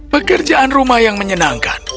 pekerjaan rumah yang menyenangkan